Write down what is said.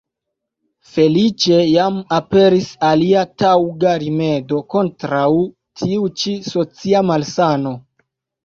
Feliĉe jam aperis alia taŭga rimedo kontraŭ tiu ĉi socia malsano.